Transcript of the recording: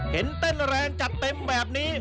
เห็นเต้นแรงจัดเต็มแบบนี้